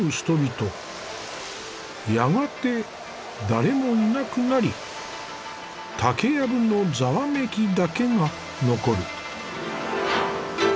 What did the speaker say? やがて誰もいなくなり竹やぶのざわめきだけが残る。